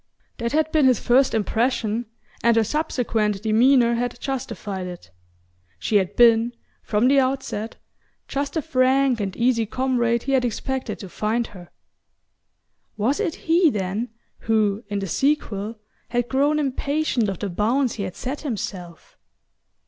That had been his first impression, and her subsequent demeanour had justified it. She had been, from the outset, just the frank and easy comrade he had expected to find her. Was it he, then, who, in the sequel, had grown impatient of the bounds he had set himself?